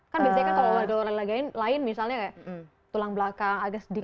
kan biasanya kan kalau ada orang lain misalnya tulang belakang agak sedikit